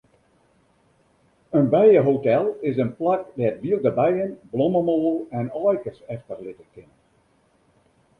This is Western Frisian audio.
In bijehotel is in plak dêr't wylde bijen blommemoal en aaikes efterlitte kinne.